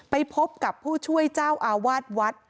ไปพบกับผู้ช่วยเจ้าอาวาสวัด